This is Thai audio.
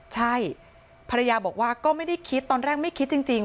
ใช่ภรรยาบอกว่าก็ไม่ได้คิดตอนแรกไม่คิดจริง